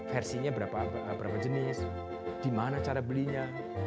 versinya berapa jenis di mana cara belinya